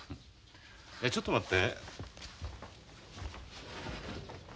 ちょっと待って。